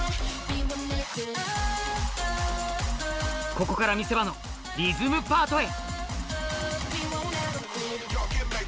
ここから見せ場のリズムパートへ